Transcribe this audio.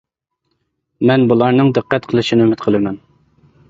مەن بۇلارنىڭ دىققەت قىلىشىنى ئۈمىد قىلىمەن.